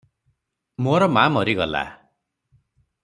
ମୋର ମା ମରିଗଲା ।